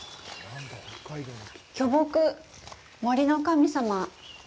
巨木、森の神様。